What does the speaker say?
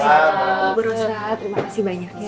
selamat berusaha terima kasih banyak ya